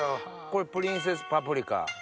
これプリンセスパプリカ？